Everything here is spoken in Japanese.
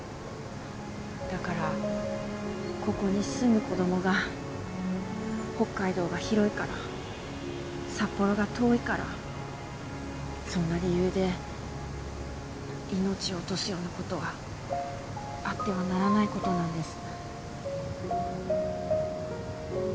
だからここに住む子供が北海道が広いから札幌が遠いからそんな理由で命を落とすようなことはあってはならないことなんです。